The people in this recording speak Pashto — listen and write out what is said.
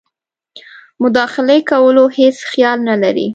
مداخلې کولو هیڅ خیال نه لري.